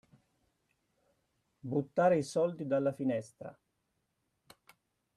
Buttare i soldi dalla finestra.